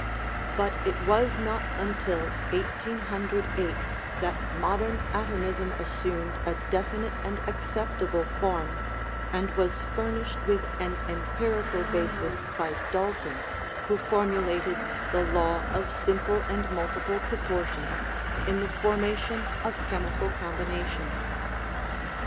But it was not until 1808 that modern atomism assumed a definite and acceptable form, and was fur nished with an empirical basis by Dalton, who formu lated the "law of simple and multiple proportions" in the formation of chemical combinations.